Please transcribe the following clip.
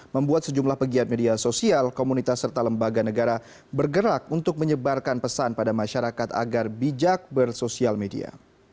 membuat sejumlah pegiat media sosial komunitas serta lembaga negara bergerak untuk menyebarkan pesan pada masyarakat agar bijak bersosial media